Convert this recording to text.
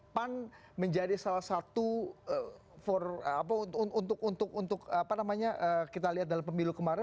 pan menjadi salah satu untuk kita lihat dalam pemilu kemarin